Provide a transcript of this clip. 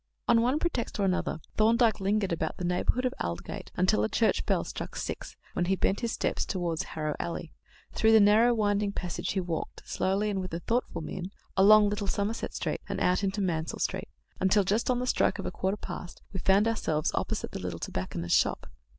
On one pretext or another, Thorndyke lingered about the neighbourhood of Aldgate until a church bell struck six, when he bent his steps towards Harrow Alley. Through the narrow, winding passage he walked, slowly and with a thoughtful mien, along Little Somerset Street and out into Mansell Street, until just on the stroke of a quarter past we found ourselves opposite the little tobacconist's shop.